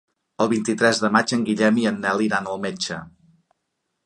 El vint-i-tres de maig en Guillem i en Nel iran al metge.